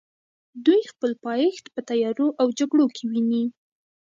دوی خپل پایښت په تیارو او جګړو کې ویني.